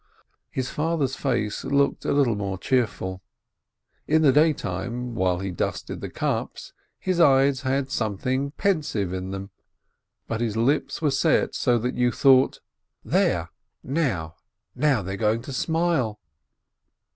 His father's face looked a little more cheerful. In the daytime, while he dusted the cups, his eyes had some thing pensive in them, but his lips were set so that you thought: There, now, now they are going to smile!